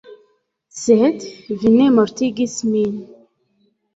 Sed vi ne mortigis min.